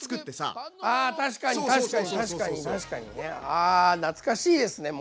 あ懐かしいですねもう。